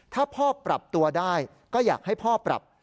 ถ้าพ่อปรับตัวได้ก็อยากให้พ่อปรับ